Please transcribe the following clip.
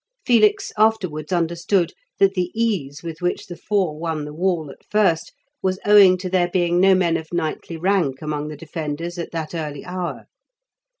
Felix afterwards understood that the ease with which the four won the wall at first was owing to there being no men of knightly rank among the defenders at that early hour.